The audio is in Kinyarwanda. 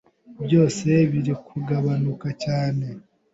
byose biri kugabanuka cyane